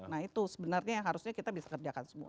nah itu sebenarnya yang harusnya kita bisa kerjakan semua